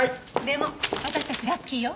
でも私たちラッキーよ。